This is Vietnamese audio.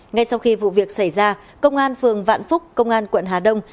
ngay sau khi vụ việc xảy ra công an phường vạn phúc công an quận hà đông